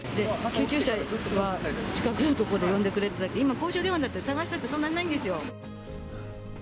救急車は近くのところで呼んでくれっていうけど、公衆電話だって、探したってそんなにないんですよ。